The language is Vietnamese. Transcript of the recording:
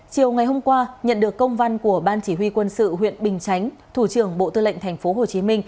chiều ngày hôm qua nhận được công văn của ban chỉ huy quân sự huyện bình chánh thủ trưởng bộ tư lệnh tp hcm